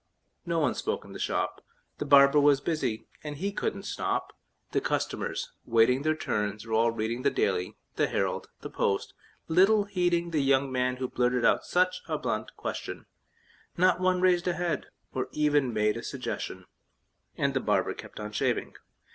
No one spoke in the shop: The barber was busy, and he couldn't stop; The customers, waiting their turns, were all reading The "Daily," the "Herald," the "Post," little heeding The young man who blurted out such a blunt question; Not one raised a head, or even made a suggestion; And the barber kept on shaving.